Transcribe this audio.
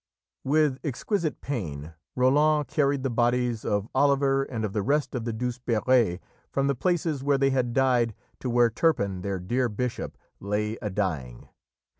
'" With exquisite pain Roland carried the bodies of Oliver and of the rest of the Douzeperes from the places where they had died to where Turpin, their dear bishop, lay a dying.